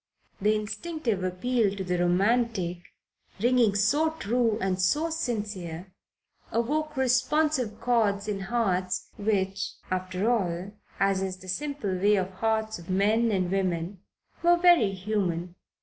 The instinctive appeal to the romantic ringing so true and so sincere awoke responsive chords in hearts which, after all, as is the simple way of hearts of men and women, were very human.